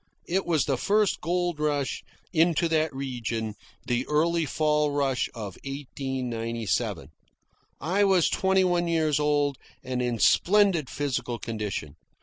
It was the first gold rush into that region, the early fall rush of 1897. I was twenty one years old, and in splendid physical condition.